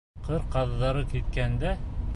Ҡыр ҡаҙҙары киткәндә